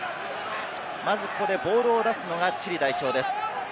まずここでボールを出すのがチリ代表です。